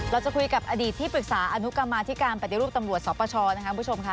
เราจะคุยกับอดีตที่ปรึกษาอนุกรรมมาธิการปฏิรูปตำรวจสปช